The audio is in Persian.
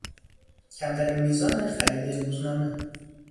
کمترین میزان خرید روزنامه